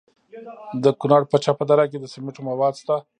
د کونړ په چپه دره کې د سمنټو مواد شته.